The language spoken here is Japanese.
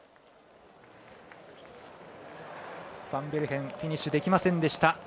ファンベルヘンフィニッシュできませんでした。